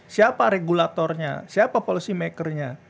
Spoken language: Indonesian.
siapa regulatornya siapa policy makernya